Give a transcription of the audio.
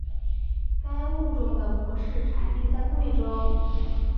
该物种的模式产地在贵州。